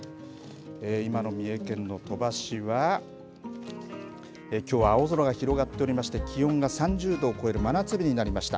今の三重県の鳥羽市はきょうは青空が広がっておりまして気温が３０度を超える真夏日になりました。